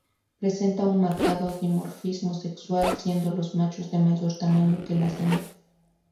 Presenta un marcado dimorfismo sexual, siendo los machos de mayor tamaño que las hembras.